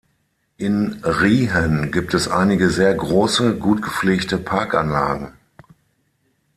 In Riehen gibt es einige sehr grosse, gut gepflegte Parkanlagen.